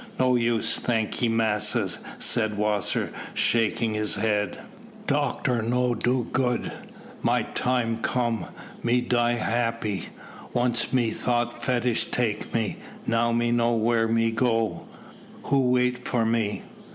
"No use, thank ye, massas," said Wasser, shaking his head. "Doctor no do good. My time come. Me die happy. Once me thought fetish take me, now me know where me go who wait for me."